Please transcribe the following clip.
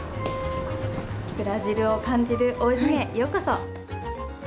ブラジルを感じる大泉へようこそ！